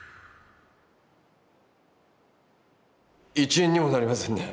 一円にもなりませんね。